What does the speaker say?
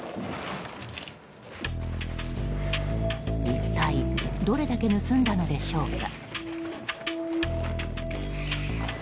一体どれだけ盗んだのでしょうか。